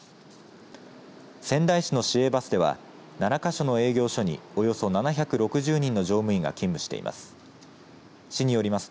仙台市の市営バスでは７か所の営業所におよそ７６０人の乗務員が勤務しています。